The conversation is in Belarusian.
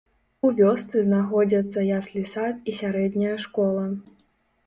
У вёсцы знаходзяцца яслі-сад і сярэдняя школа.